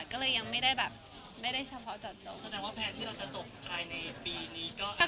ก็เลยยังไม่ได้แบบไม่ได้เฉพาะเจาะ